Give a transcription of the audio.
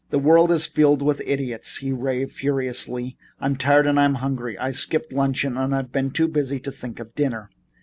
"The world is filled with idiots," he raved furiously. "I'm tired and I'm hungry. I skipped luncheon and I've been too busy to think of dinner."